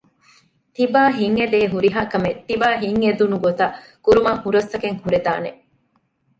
ތިބާ ހިތް އެދޭ ހުރިހާ ކަމެއް ތިބާ ހިތް އެދުނުގޮތަށް ކުރުމަށް ހުރަސްތަކެއް ހުރެދާނެ